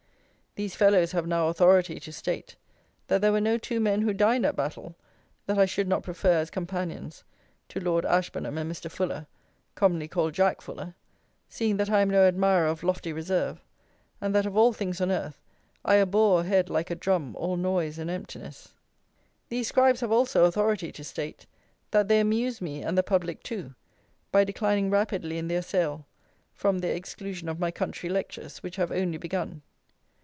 These fellows have now "authority" to state, that there were no two men who dined at Battle, that I should not prefer as companions to Lord Ashburnham and Mr. Fuller, commonly called "Jack Fuller," seeing that I am no admirer of lofty reserve, and that, of all things on earth, I abhor a head like a drum, all noise and emptiness. These scribes have also "authority" to state, that they amuse me and the public too by declining rapidly in their sale from their exclusion of my country lectures, which have only begun.